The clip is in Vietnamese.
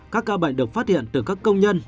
các ca bệnh được phát hiện từ các công nhân